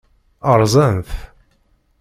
Ṛṛẓan-t?